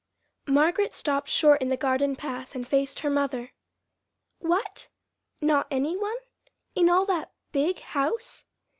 Margaret stopped short in the garden path and faced her mother. "What, not any one? in all that big house?"